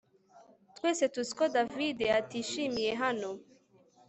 Twese tuzi ko David atishimiye hano